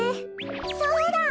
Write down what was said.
そうだ！